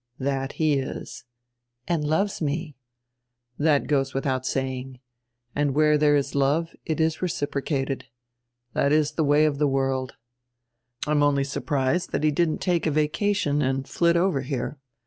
"That he is." "And loves me." "That goes widiout saying. And where diere is love it is reciprocated. That is die way of die world. I am only surprised diat he didn't take a vacation and flit over here.